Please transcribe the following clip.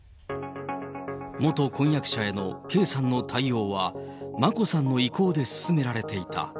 元婚約者への圭さんの対応は、眞子さんの意向で進められていた。